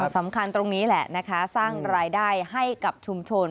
ตรงนี้แหละนะคะสร้างรายได้ให้กับชุมชน